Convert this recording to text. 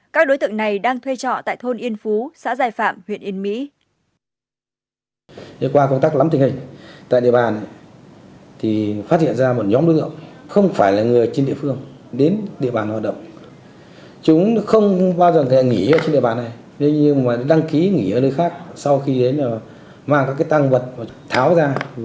các đối tượng này đang thuê trọ tại thôn yên phú xã giải phạm huyện yên mỹ